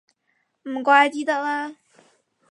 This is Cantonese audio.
唔怪之得啦